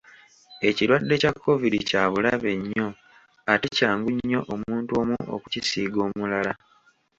Ekirwadde kya Kovidi kya bulabe nnyo ate kyangu nnyo omuntu omu okukisiiga omulala.